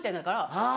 あぁ。